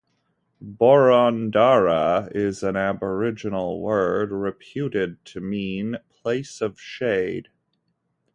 Boroondara is an aboriginal word reputed to mean "place of shade".